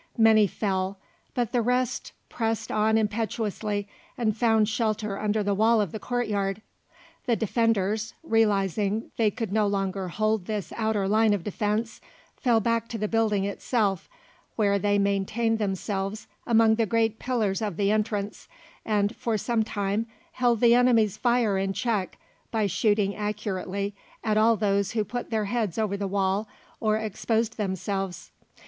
Many fell, but the rest pressed on impetuously and found shelter under the wall of the courtyard. The defenders, realising they could no longer hold this outer line of defence, fell back to the building itself, where they maintained themselves among the great pillars of the entrance, and for some time held the enemy's fire in check by shooting accurately at all those who put their heads over the wall or exposed themselves.